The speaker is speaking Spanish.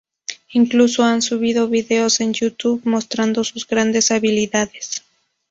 Incluso han subido vídeos en YouTube mostrando sus grandes habilidades.